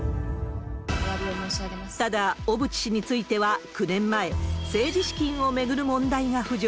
ただ、小渕氏については９年前、政治資金を巡る問題が浮上。